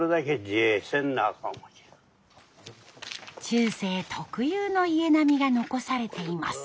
中世特有の家並みが残されています。